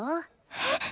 えっ！？